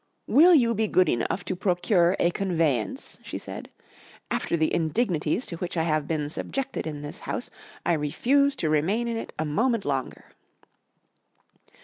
"Will you be good enough to procure a conveyance?" she said. "After the indignities to which I have been subjected in this house I refuse to remain in it a moment longer."